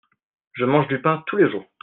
Je mange du pain tous les jours.